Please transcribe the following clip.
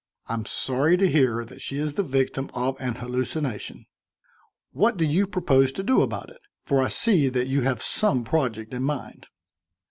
I'm sorry to hear that she is the victim of an hallucination. What do you propose to do about it? for I see that you have some project in mind."